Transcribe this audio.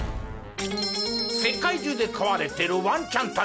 世界中で飼われているワンちゃんたち。